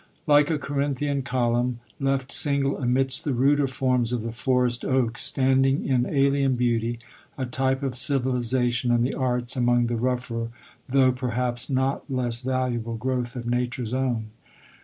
Like a Corinthian column, left single amidst the ruder forms of the forest oaks, standing in alien beauty, a type of civili zation and the arts, among the rougher, though perhaps not less valuable, growth of Nature's own.